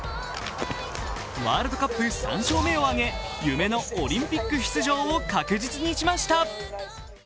ワールドカップ３勝目を挙げ、夢のオリンピック出場を確実にしました。